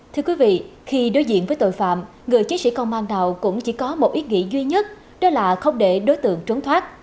thưa quý vị khi đối diện với tội phạm người chiến sĩ công an nào cũng chỉ có một ít nghĩ duy nhất đó là không để đối tượng trốn thoát